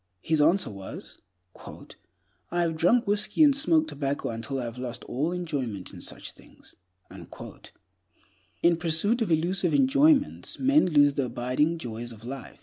His answer was, "I have drunk whiskey and smoked tobacco until I have lost all enjoyment in such things." In pursuit of elusive enjoyments, men lose the abiding joys of life.